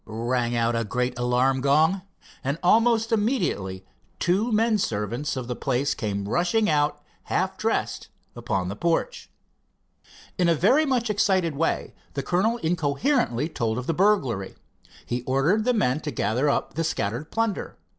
rang out a great alarm gong, and almost immediately two men servants of the place came rushing out half dressed upon the porch. In a very much excited way the colonel incoherently told of the burglary. He ordered the men to gather up the scattered plunder.